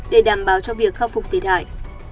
để đảm bảo cho việc khắc phục tệt hại